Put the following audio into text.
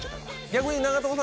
逆に。